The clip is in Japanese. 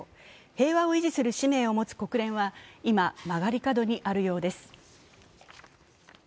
平和を維持する使命を持つ国連は今、曲がり角にあるようです。